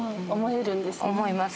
思います